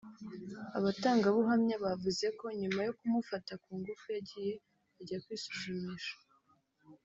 Abatangabuhamya bavuze ko nyuma yo kumufata ku ngufu yagiye ajya kwisuzumisha